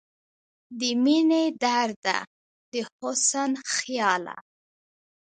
د مينې درده، د حسن خياله